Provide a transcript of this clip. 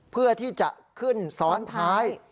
เพื่อที่จะขึ้นซ้อนท้าย